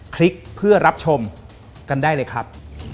คลิกเพื่อรับชมกันได้เลยครับ